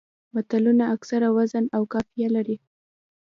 متلونه اکثره وزن او قافیه لري